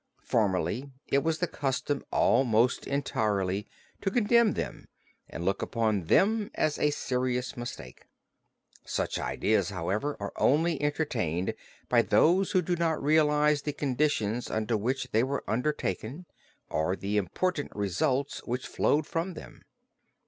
Formerly it was the custom almost entirely to condemn them and to look upon them as a serious mistake. Such ideas however, are only entertained by those who do not realize the conditions under which they were undertaken or the important results which flowed from them.